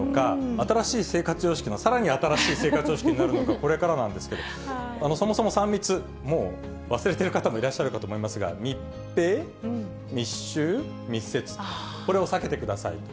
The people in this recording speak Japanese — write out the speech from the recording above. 新しい生活様式のさらに新しい生活様式になるのか、これからなんですけど、そもそも３密、もう忘れてる方もいらっしゃるかと思いますが、密閉、密集、密接、これを避けてくださいと。